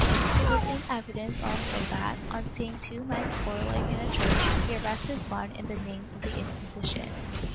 It was in evidence also that, on seeing two men quarrelling in a church, he arrested one in the name of the Inquisition.